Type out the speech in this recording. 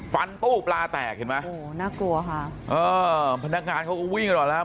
ฟันตู้ปลาแตกเห็นไหมโหน่ากลัวค่ะพนักงานเขาก็วิ่งออกแล้วนะฮะ